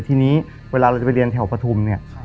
ทีนี้เวลาเราจะไปเรียนแถวปฐุมเนี่ย